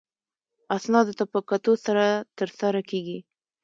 اسنادو ته په کتو سره ترسره کیږي.